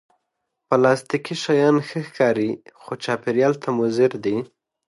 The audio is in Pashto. پلاستيکي شیان ښه ښکاري، خو چاپېریال ته مضر دي